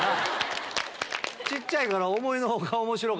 小っちゃいから。